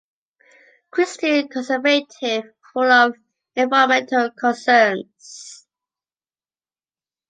Christian conservative, full of environmental concerns.